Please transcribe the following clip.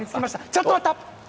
ちょっと待った！